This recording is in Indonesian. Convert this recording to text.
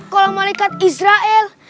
kalau malaikat israel